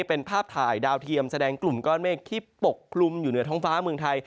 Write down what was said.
เป็นภาพถ่ายดาวเทียมแสดงกลุ่มก้อนเมฆที่ปกคลุมอยู่เหนือท้องฟ้าเมืองไทย